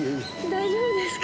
大丈夫ですか？